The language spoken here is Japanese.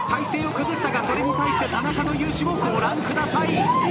それに対して田中の雄姿をご覧ください。